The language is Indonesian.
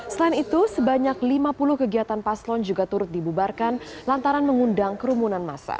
selain itu sebanyak lima puluh kegiatan paslon juga turut dibubarkan lantaran mengundang kerumunan masa